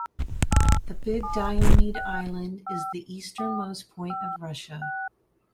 The Big Diomede Island is the easternmost point of Russia.